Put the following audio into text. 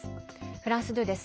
フランス２です。